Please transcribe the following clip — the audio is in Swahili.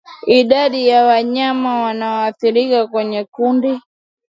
Idadi ya wanyama wanaoathirika kwenye kundi